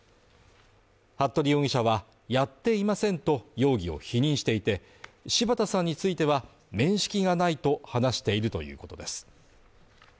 服部容疑者はやっていませんと容疑を否認していて、柴田さんについては面識がないと話しているということです。